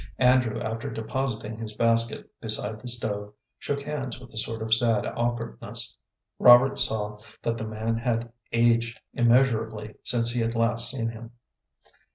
Andrew, after depositing his basket beside the stove, shook hands with a sort of sad awkwardness. Robert saw that the man had aged immeasurably since he had last seen him.